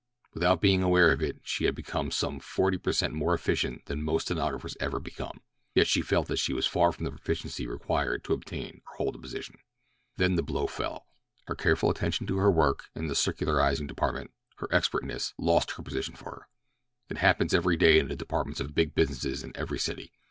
Without being aware of it she had become some forty per cent more efficient than most stenographers ever become; yet she felt that she was far from the proficiency required to obtain or hold a position. Then the blow fell. Her careful attention to her work, in the circularizing department—her expertness—lost her position for her. It happens every day in the departments of big businesses in every city.